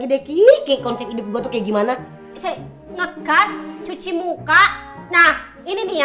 terus siapa yang minta hasilnya